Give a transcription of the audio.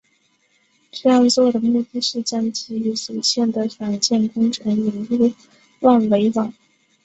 这样做的目的是将基于组件的软件工程引入万维网。